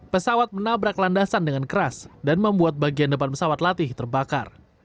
pesawat menabrak landasan dengan keras dan membuat bagian depan pesawat latih terbakar